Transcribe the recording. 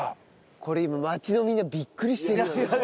これ今街のみんなビックリしてるよ。